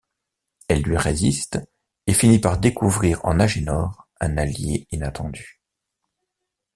Elle lui résiste et finit par découvrir en Agénor un allié inattendu.